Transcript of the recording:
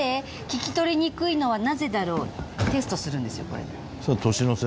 「聞きとりにくいのはなぜだろう？」テストするんですよこれ。